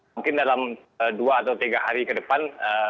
mungkin dalam dua atau tiga hari ke depan